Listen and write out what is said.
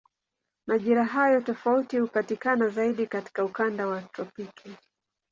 Majira hayo tofauti hupatikana zaidi katika ukanda wa tropiki.